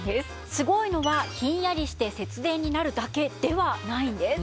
すごいのはひんやりして節電になるだけではないんです！